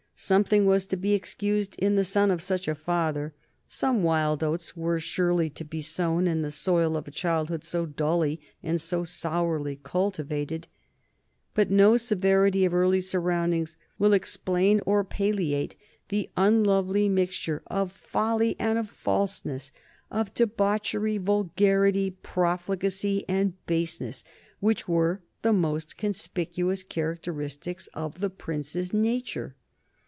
Something was to be excused in the son of such a father; some wild oats were surely to be sown in the soil of a childhood so dully and so sourly cultivated. But no severity of early surroundings will explain or palliate the unlovely mixture of folly and of falseness, of debauchery, vulgarity, profligacy, and baseness, which were the most conspicuous characteristics of the Prince's nature.